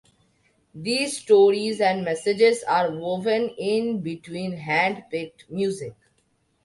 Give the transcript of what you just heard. These stories and messages are woven in between hand-picked music.